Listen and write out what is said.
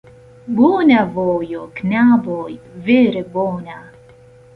Bona vojo, knaboj, vere bona.